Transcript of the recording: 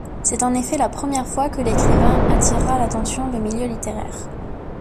C’est en effet la première fois que l’écrivain attirera l’attention des milieux littéraire.